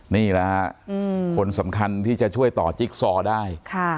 นี่แหละฮะคนสำคัญที่จะช่วยต่อจิ๊กซอได้